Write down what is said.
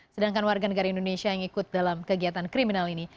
sedangkan warga negara indonesia yang ikut dalam kegiatan kriminal ini